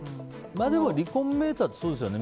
離婚メーターってそうですよね。